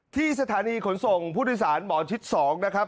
ที่สถานีขนส่งผู้โดยสารหมอชิด๒นะครับ